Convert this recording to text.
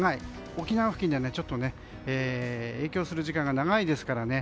沖縄付近で影響する時間が長いですからね。